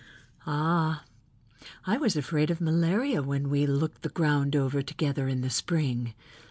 "Ah, I was afraid of malaria when we looked the ground over together in the spring.